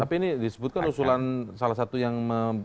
tapi ini disebutkan usulan salah satu yang